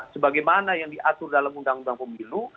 sebagai mana yang diatur dalam undang undang pemilu